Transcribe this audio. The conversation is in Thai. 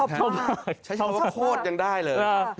ใช้คำว่าโคตรยังได้เลย